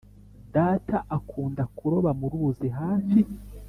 data akunda kuroba mu ruzi hafi.